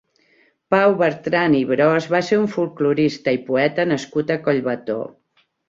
Pau Bertran i Bros va ser un folklorista i poeta nascut a Collbató.